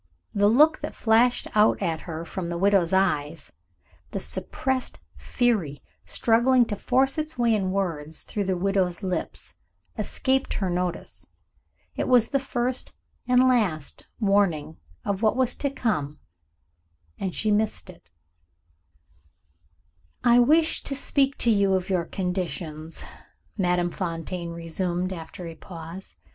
The look that flashed out at her from the widow's eyes, the suppressed fury struggling to force its way in words through the widow's lips, escaped her notice. It was the first, and last, warning of what was to come and she missed it. "I wished to speak to you of your conditions," Madame Fontaine resumed, after a pause.